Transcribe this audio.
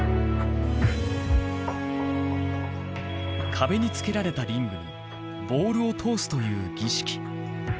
壁につけられたリングにボールを通すという儀式。